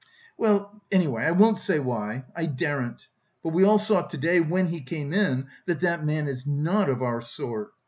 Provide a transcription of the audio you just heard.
hm! Well, anyway, I won't say why, I daren't.... But we all saw to day when he came in that that man is not of our sort.